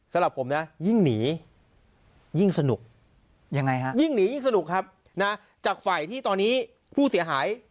สำหรับผมนะยิ่งหนียิ่งสนุกยังไงฮะยิ่งหนียิ่งสนุกครับนะจากฝ่ายที่ตอนนี้ผู้เสียหาย